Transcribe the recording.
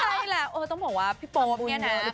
ใช่แล้วต้องบอกว่าพี่โป๊ปเนี่ยนะ